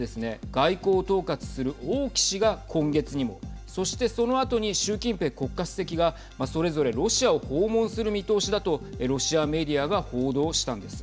外交を統括する王毅氏が今月にもそして、そのあとに習近平国家主席がそれぞれロシアを訪問する見通しだとロシアメディアが報道したんです。